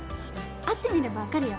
会ってみれば分かるよ。